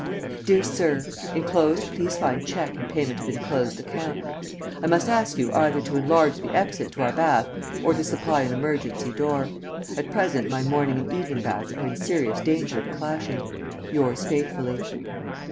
"DEAR SIR, Enclosed please find cheque in payment of enclosed account. I must ask you either to enlarge the exit to our bath or to supply an emergency door. At present my morning and evening baths are in serious danger of clashing. Yours faithfully."